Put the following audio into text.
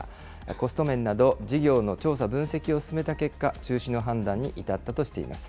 コスト面など、事業の調査・分析を進めた結果、中止の判断に至ったとしています。